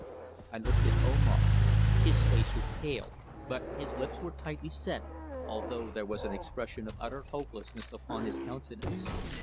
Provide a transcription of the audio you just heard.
I looked at Omar. His face was pale, but his lips were tightly set, although there was an expression of utter hopelessness upon his countenance.